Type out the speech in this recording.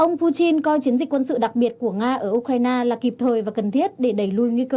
ông putin coi chiến dịch quân sự đặc biệt của nga ở ukraine là kỳ bất kỳ